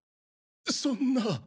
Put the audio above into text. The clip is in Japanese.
そんな。